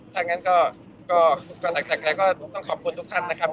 ทางนั้นก็สามารถแสดงแล้วก็ต้องขอบคุณทุกท่านนะครับ